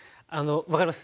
分かります。